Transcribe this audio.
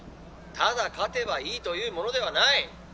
「ただ勝てばいいというものではない！